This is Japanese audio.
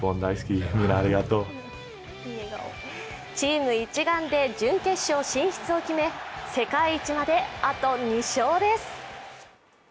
チーム一丸で準々決勝進出を決め、世界一まであと２勝です。